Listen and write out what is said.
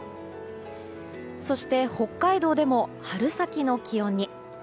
そして北海道でも春先の気温に。